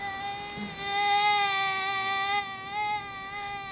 うん？